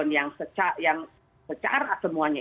yang secara semuanya